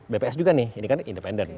bps juga nih ini kan independen